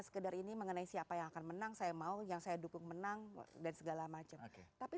sekedar ini mengenai siapa yang akan menang saya mau yang saya dukung menang dan segala macam tapi